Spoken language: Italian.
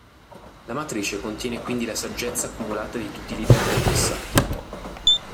La Matrice contiene quindi la saggezza accumulata di tutti i leader del passato.